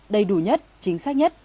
đầy đủ nhất chính xác nhất